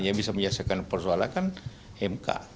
yang bisa menyelesaikan persoalan kan mk